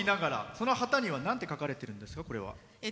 その旗にはなんて書かれてるんですか？